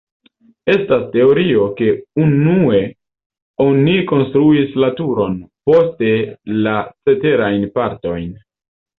Estas teorio, ke unue oni konstruis la turon, poste la ceterajn partojn.